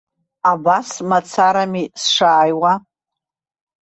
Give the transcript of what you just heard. Абас мацарами сшааиуа.